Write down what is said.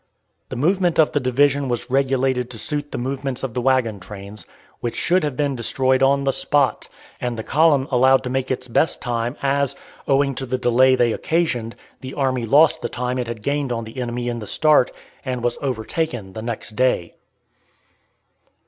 The movement of the division was regulated to suit the movements of the wagon trains, which should have been destroyed on the spot, and the column allowed to make its best time, as, owing to the delay they occasioned, the army lost the time it had gained on the enemy in the start, and was overtaken the next day.